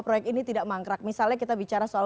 proyek ini tidak mangkrak misalnya kita bicara soal